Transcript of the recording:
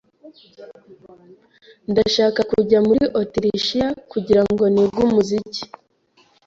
Ndashaka kujya muri Otirishiya kugira ngo nige umuziki.